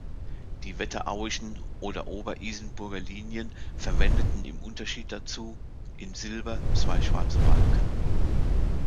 Die wetterauischen oder Ober-Isenburger Linien verwendeten im Unterschied dazu: "In Silber zwei schwarze Balken".